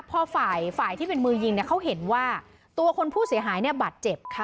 พอฝ่ายฝ่ายที่เป็นมือยิงเนี่ยเขาเห็นว่าตัวคนผู้เสียหายเนี่ยบาดเจ็บค่ะ